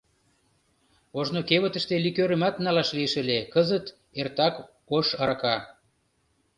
Ожно кевытыште ликёрымат налаш лиеш ыле, кызыт эртак ош арака.